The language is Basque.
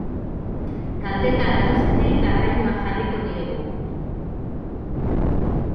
Taldeka datozenei garraioa jarriko diegu.